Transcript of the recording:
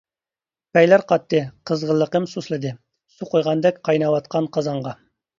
پەيلەر قاتتى، قىزغىنلىقىم سۇسلىدى، سۇ قۇيغاندەك قايناۋاتقان قازانغا.